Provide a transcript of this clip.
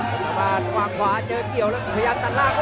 ชาวบ้านวางขวาเจอเกี่ยวแล้วพยายามตัดล่าง